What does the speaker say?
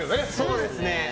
そうですね。